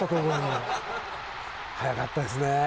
速かったですね。